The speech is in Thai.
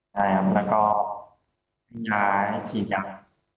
ใช่ครับแล้วก็มียาให้ฉีดยัง